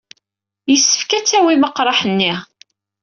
Yessefk ad tawyem aqraḥ-nni.